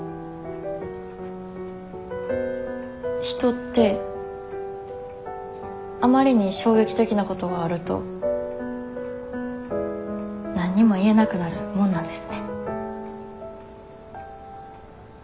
人ってあまりに衝撃的なことがあると何にも言えなくなるもんなんですね。